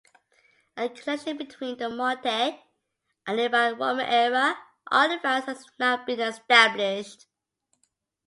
A connection between the motte and nearby Roman era artifacts has not been established.